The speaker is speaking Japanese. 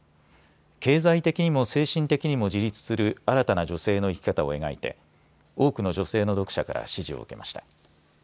経済的にも精神的にも自立する新たな女性の生き方を描いて多くの女性の読者から支持を受けました。